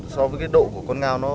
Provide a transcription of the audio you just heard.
so với cái độ của con ngao nó sẽ